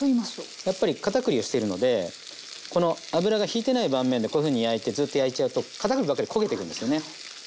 やっぱり片栗をしてるのでこの油がひいてない盤面でこういうふうに焼いてずっと焼いちゃうと片栗ばっかり焦げていくんですよね。